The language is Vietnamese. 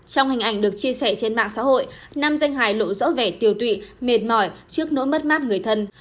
trong hình ảnh được chia sẻ trên mạng xã hội nam danh hài lộ rõ vẻ tều tụy mệt mỏi trước nỗi mất mát người thân